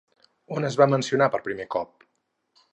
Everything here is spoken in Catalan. On es va mencionar per primer cop?